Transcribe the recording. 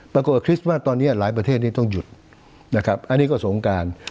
ภรรกาคริสต์มัสตอนนี้หลายประเทศต้องหยุดอันนี้ก็สมการ